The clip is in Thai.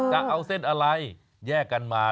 จะเอาเส้นอะไรแยกกันมา